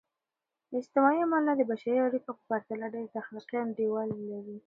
اجتماعي علمونه د بشري اړیکو په پرتله ډیر تخلیقي انډول لري.